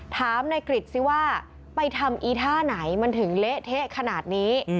ถามนายกริจซิว่าไปทำอีท่าไหนมันถึงเละเทะขนาดนี้